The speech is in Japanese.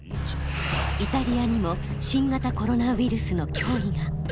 イタリアにも新型コロナウイルスの脅威が。